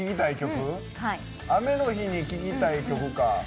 雨の日に聴きたい曲か。